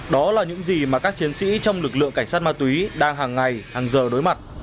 đó là những gì mà các chiến sĩ trong lực lượng cảnh sát ma túy đang hàng ngày hàng giờ đối mặt